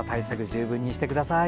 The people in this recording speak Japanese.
十分にしてください。